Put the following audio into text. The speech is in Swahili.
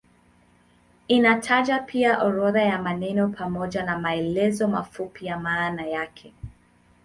Inataja pia orodha ya maneno pamoja na maelezo mafupi ya maana yake.